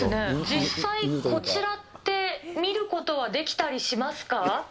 実際こちらって見ることはできたりしますか？